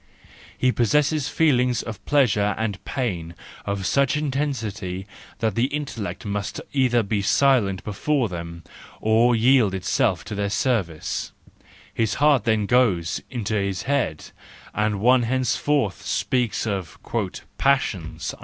He possesses feelings of pleasure and pain of such intensity that the intellect must either be silent before them, or yield itself to their service: his heart then goes into his head, and one henceforth speaks of "passions."